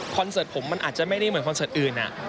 เสิร์ตผมมันอาจจะไม่ได้เหมือนคอนเสิร์ตอื่น